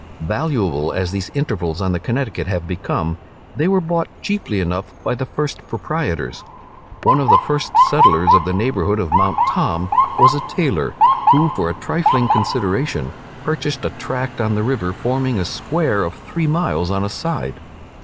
Valuable as these intervals on the Connecticut have become, they were bought cheaply enough by the first proprietors. One of the first settlers of the neighbourhood of Mount Tom, was a tailor, who, for a trifling consideration, purchased a tract on the river, forming a square of three miles on a side.